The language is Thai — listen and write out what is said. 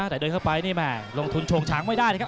แต่เดินเข้าไปนี่แม่ลงทุนโชงช้างไม่ได้นะครับ